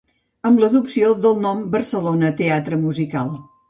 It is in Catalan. Amb l'adopció del nom Barcelona Teatre Musical.